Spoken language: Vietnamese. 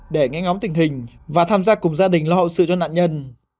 để nghe ngóng tình hình và tham gia cùng gia đình lo hậu sự cho nạn nhân